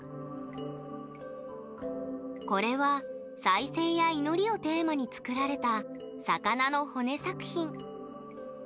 これは、再生や祈りをテーマに作られた魚の骨作品。